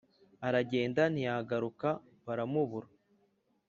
Aragenda ntiyagaruka baramubura